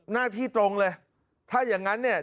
หน้าที่ตรงเลยถ้าอย่างนั้นเนี่ย